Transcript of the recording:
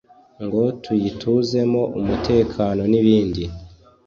Ngo tuyituzemo umutekano nibindi